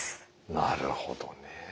なるほどね。